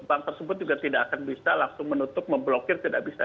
bank tersebut juga tidak akan bisa langsung menutup memblokir tidak bisa